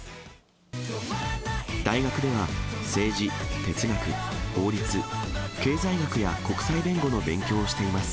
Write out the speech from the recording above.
大学では政治、哲学、法律、経済学や国際弁護の勉強をしています。